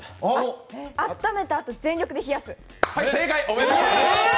あっためたあと全力で冷やす？